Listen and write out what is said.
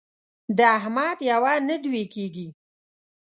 د احمد یوه نه دوې کېږي.